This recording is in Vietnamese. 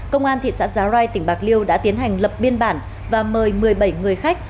công an thị xã giá rai tỉnh bạc liêu đã tiến hành lập biên bản và mời một mươi bảy người khách